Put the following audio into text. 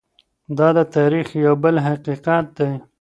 دا د تاریخ یو بل حقیقت دی.